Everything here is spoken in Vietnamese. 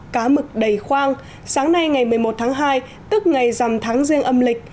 cá mực đầy khoang sáng nay ngày một mươi một tháng hai tức ngày dằm tháng riêng âm lịch